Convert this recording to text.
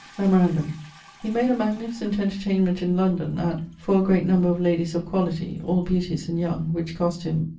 Memorandum: he made a magnificent entertainment in London, at ..., for a great number of ladies of quality, all beauties and young, which cost him